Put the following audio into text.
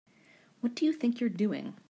What do you think you're doing?